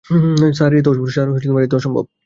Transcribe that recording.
Sir, এ তো অসম্ভব।